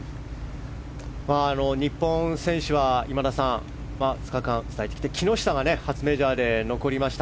日本選手は２日間、伝えてきて木下が初メジャーで残りました。